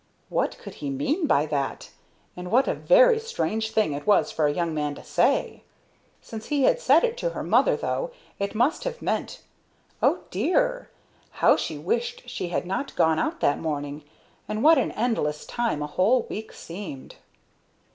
What could he mean by that, and what a very strange thing it was for a young man to say? Since he had said it to her mother, though, it must have meant Oh dear! how she wished she had not gone out that morning, and what an endless time a whole week seemed!